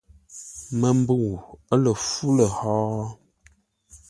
Məmbəu lə fú lə̂ hó?̂.